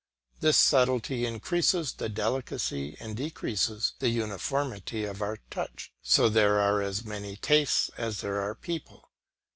This subtlety increases the delicacy and decreases the uniformity of our touch. So there are as many tastes as there are people.